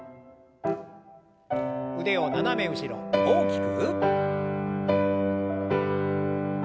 腕を斜め後ろ大きく。